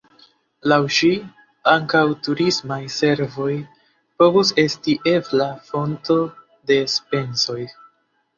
Laŭ ŝi, ankaŭ turismaj servoj povus esti ebla fonto de enspezoj.